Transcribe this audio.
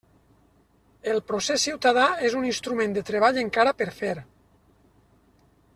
El procés ciutadà és un instrument de treball encara per fer.